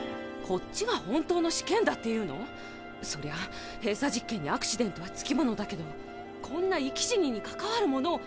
こっちが本当の試験だって言うの⁉そりゃ閉鎖実験にアクシデントは付き物だけどこんな生き死にに関わるものを。